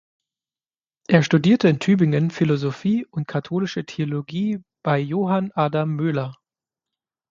Er studierte in Tübingen Philosophie und katholische Theologie bei Johann Adam Möhler.